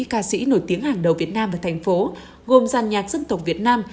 ca sĩ nổi tiếng hàng đầu việt nam và thành phố gồm giàn nhạc dân tộc việt nam